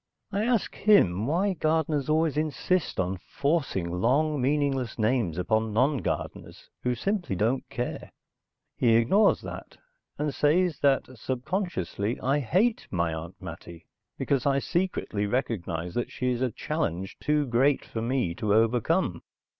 I ask him why gardeners always insist on forcing long meaningless names upon non gardeners who simply don't care. He ignores that, and says that subconsciously I hate my Aunt Mattie because I secretly recognize that she is a challenge too great for me to overcome.